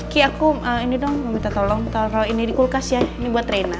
ki aku ini dong mau minta tolong tolong kalau ini di kulkas ya ini buat reina